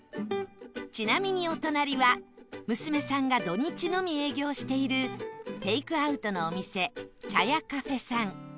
ちなみにお隣は娘さんが土日のみ営業しているテイクアウトのお店茶屋 Ｃａｆｅ さん